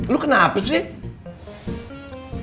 lo kenapa sih